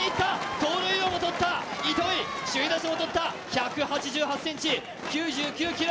盗塁王も取った、糸井、首位打者もとった１８８ｃｍ、９９ｋｇ。